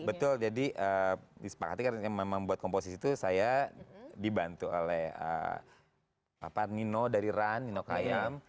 betul jadi disepakati karena memang buat komposisi itu saya dibantu oleh nino dari run nino kayam